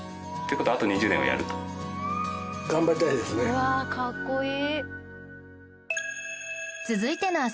うわあかっこいい！